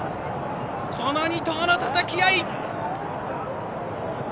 この２頭のたたきあい。